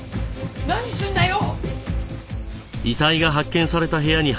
何すんだよ！